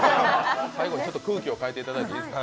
最後にちょっと空気を変えていただいてもいいですか。